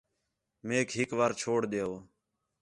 میک ہِک وار چھوڑ ݙیؤ